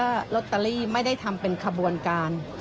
ลอตเตอรี่ไม่ได้ทำเป็นขบวนการ